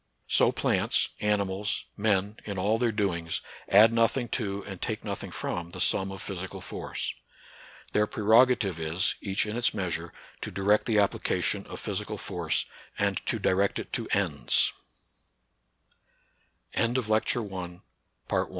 So plants, animals, men, in all their doings, add nothing to and take nothing from the sum of physical force. Their prerogative is, each in its measure, to direct the application of physical force, and to dir